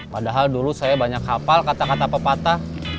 padahal dulu saya banyak hafal kata kata pepatah